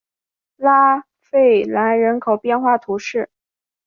拉费兰人口变化图示